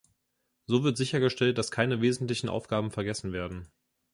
So wird sichergestellt, dass keine wesentlichen Aufgaben vergessen werden.